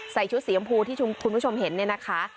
ชุดสีชมพูที่คุณผู้ชมเห็นเนี่ยนะคะ